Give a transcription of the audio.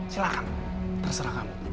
silahkan terserah kamu